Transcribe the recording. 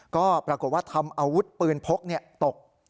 ก็ปรากฏว่าทำอาวุธปืนพกตก